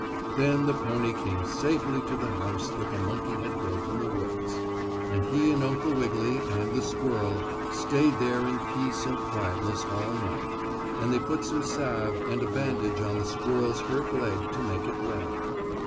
Then the pony came safely to the house that the monkey had built in the woods, and he and Uncle Wiggily and the squirrel stayed there in peace and quietness all night, and they put some salve and a bandage on the squirrel's hurt leg to make it well.